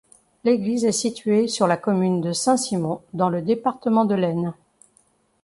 L'église est située sur la commune de Saint-Simon, dans le département de l'Aisne.